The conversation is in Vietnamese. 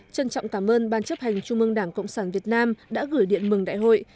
trân trọng cảm ơn ban chấp hành trung mương đảng cộng sản việt nam đã gửi điện mừng đại hội